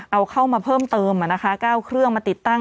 เอาเข้ามาเพิ่มเติม๙เครื่องมาติดตั้ง